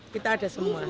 kita ada semua